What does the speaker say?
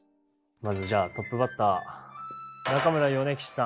まずじゃあトップバッター中村米吉さん。